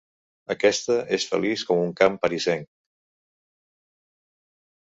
Aquesta és feliç com un camp parisenc.